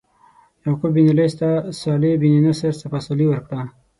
یعقوب بن لیث ته صالح بن نصر سپه سالاري ورکړه.